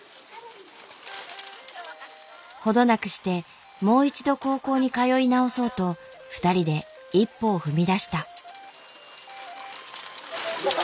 ほどなくしてもう一度高校に通い直そうと２人で一歩を踏み出した。